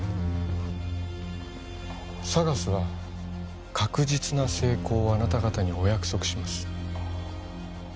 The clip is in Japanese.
ＳＡＧＡＳは確実な成功をあなた方にお約束します